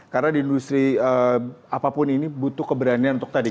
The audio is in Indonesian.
karena di industri apapun ini butuh keberanian untuk tadi